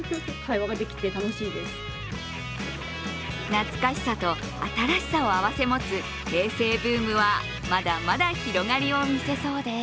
懐かしさと新しさを併せ持つ平成ブームはまだまだ広がりを見せそうです。